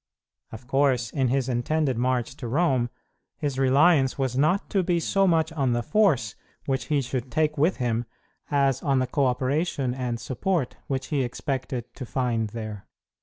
Of course, in his intended march to Rome, his reliance was not to be so much on the force which he should take with him, as on the cooperation and support which he expected to find there.